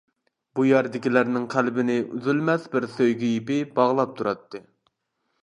بۇ يەردىكىلەرنىڭ قەلبىنى ئۈزۈلمەس بىر سۆيگۈ يىپى باغلاپ تۇراتتى.